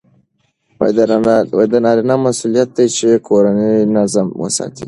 د نارینه مسئولیت دی چې کورنی نظم وساتي.